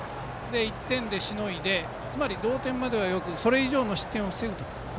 １点でしのいで同点まではよくそれ以上の失点を防ぐと。